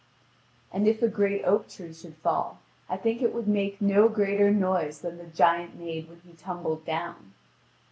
And if a great oak tree should fall, I think it would make no greater noise than the giant made when he tumbled down.